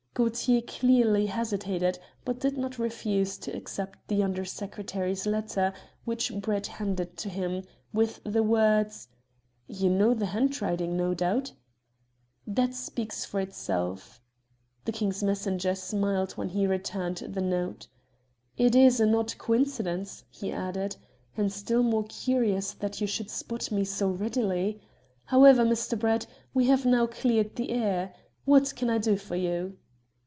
Gaultier clearly hesitated, but did not refuse to accept the Under Secretary's letter, which Brett handed to him, with the words "You know the handwriting, no doubt?" "That speaks for itself." The King's messenger smiled when he returned the note. "It is an odd coincidence," he added, "and still more curious that you should spot me so readily. However, Mr. Brett, we have now cleared the air. What can I do for you?"